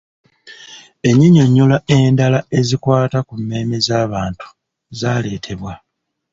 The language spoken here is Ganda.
Ennyinyonnyola endala ezikwata ku mmeeme z’abantu zaaleetebwa.